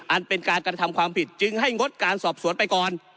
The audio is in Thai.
อันเป็นการกระทำความผิดจึงให้งดการสอบสวนไปก่อน